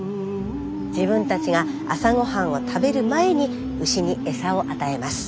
自分たちが朝ごはんを食べる前に牛に餌を与えます。